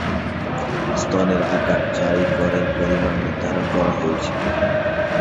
স্তনের আকার চাই করের পরিমাণ নির্ধারণ করা হয়েছিল।